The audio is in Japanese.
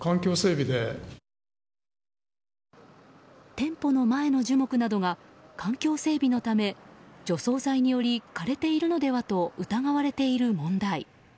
店舗の前の樹木などが環境整備のため除草剤により枯れているのではと疑われている問題。